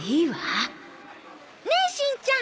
ねえしんちゃん